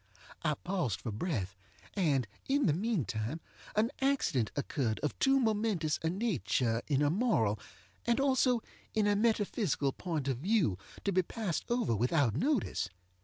I paused for breath; and, in the meantime, an accident occurred of too momentous a nature in a moral, and also in a metaphysical point of view, to be passed over without notice.